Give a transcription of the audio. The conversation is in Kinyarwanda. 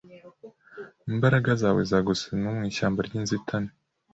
imbaraga zawe zagose no mwishyamba ryinzitane